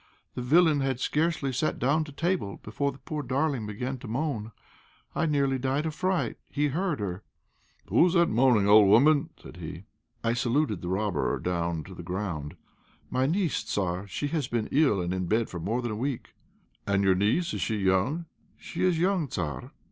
The villain had scarcely sat down to table before the poor darling began to moan. I nearly died of fright. He heard her." "'Who is that moaning, old woman?' said he. "I saluted the robber down to the ground. "'My niece, Tzar; she has been ill and in bed for more than a week.' "'And your niece, is she young?' "'She is young, Tzar.'